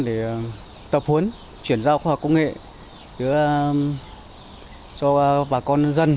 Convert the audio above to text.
để tập huấn chuyển giao khoa học công nghệ cho bà con nhân dân